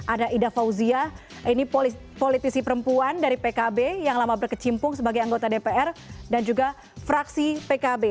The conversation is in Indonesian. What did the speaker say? ada ida fauzia ini politisi perempuan dari pkb yang lama berkecimpung sebagai anggota dpr dan juga fraksi pkb